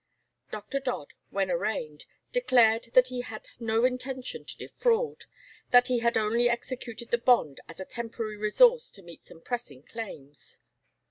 Dr. Dodd, when arraigned, declared that he had no intention to defraud, that he had only executed the bond as a temporary resource to meet some pressing claims.